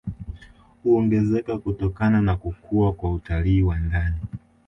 Huongezeka kutokana na kukua kwa utalii wa ndani